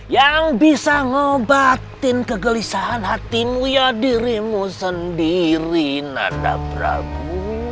yang bisa ngobatin kegelisahan hatimu ya dirimu sendiri nada prabu